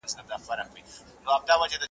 له هيبته ډک مخونه ,